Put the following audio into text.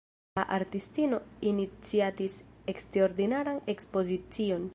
La artistino iniciatis eksterordinaran ekspozicion.